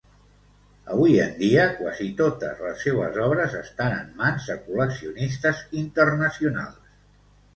Avui en dia quasi totes les seues obres estan en mans de col·leccionistes internacionals.